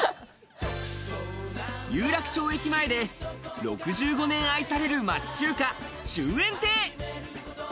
有楽町駅前で６５年愛される町中華・中園亭。